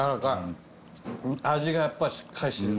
味がやっぱしっかりしてる。